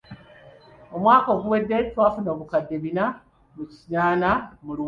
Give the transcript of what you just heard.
Omwaka oguwedde twafuna obukadde bina mu kinaana mu Luwalo.